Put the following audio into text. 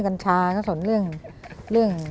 ควรจะได้เห็น